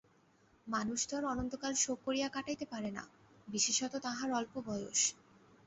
মানুষ তো আর অনন্তকাল শোক করিয়া কাটাইতে পারে না, বিশেষত তাঁহার অল্প বয়স।